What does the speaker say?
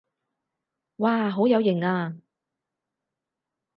哇好有型啊